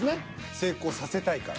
成功させたいから。